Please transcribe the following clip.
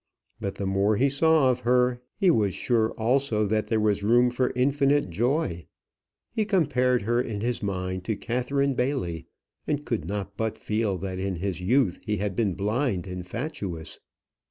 But the more he saw of her he was sure also that there was room for infinite joy. He compared her in his mind to Catherine Bailey, and could not but feel that in his youth he had been blind and fatuous.